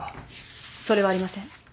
それはありません。